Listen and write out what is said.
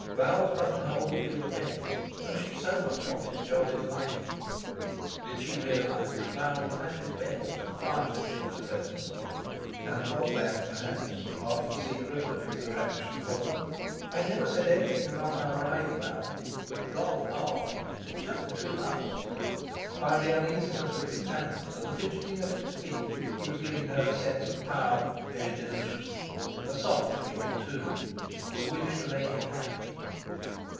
Val's buttonhole would give offence; and she so much wanted Jolly to like him. Did she realise that Val was at his best and quietest in her presence, and was that, perhaps, half the secret of his attraction for her? "I never said anything about our ride, Val." "Rather not! It's just between us." By the uneasiness of his hands and the fidgeting of his feet he was giving her a sense of power very delicious; a soft feeling too—the wish to make him happy.